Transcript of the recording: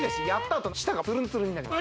あと舌がツルンツルンになります